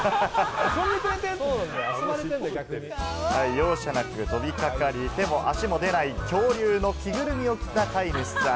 容赦なく飛び掛かり、手も足も出ない恐竜の着ぐるみを着た飼い主さん。